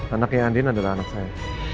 anaknya andin adalah anak saya